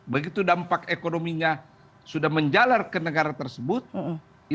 begitu dampak ekonominya sudah menjadikan maka seluruh negara besar akan turun tangan mencari solusi